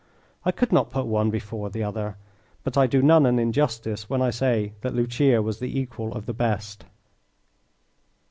I could not put one before the other, but I do none an injustice when I say that Lucia was the equal of the best.